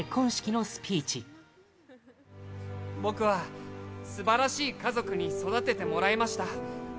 のび太：僕は素晴らしい家族に育ててもらえました。